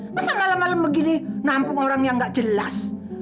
masa malam malam begini nampung orang yang nggak jelas